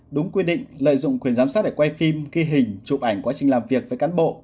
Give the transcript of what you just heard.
đúng quy định lợi dụng quyền giám sát để quay phim ghi hình chụp ảnh quá trình làm việc với cán bộ